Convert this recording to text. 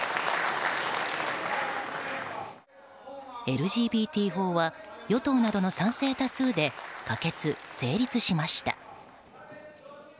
ＬＧＢＴ法は与党などの賛成多数で可決・成立しました。